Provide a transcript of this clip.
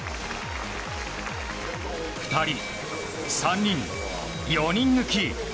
２人、３人、４人抜き！